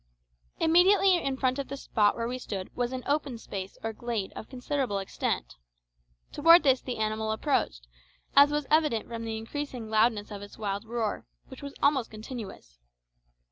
Immediately in front of the spot where we stood was an open space or glade of considerable extent. Towards this the animal approached, as was evident from the increasing loudness of its wild roar, which was almost continuous.